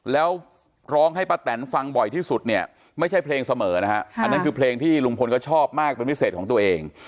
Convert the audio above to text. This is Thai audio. แล้วร้องให้ป้าแตนฟังบ่อยที่สุดเนี่ยไม่ใช่เพลงเสมอนะฮะอันนั้นคือเพลงที่ลุงพลก็ชอบมากเป็นพิเศษของตัวเอง